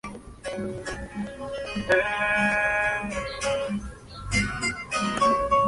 Antes de incursionar en el atletismo, Ana Gabriela practicó por varios años basquetbol.